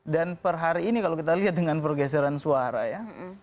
per hari ini kalau kita lihat dengan pergeseran suara ya